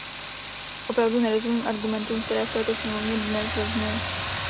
Opravdu nerozumím argumentům, které v této sněmovně dnes zazněly.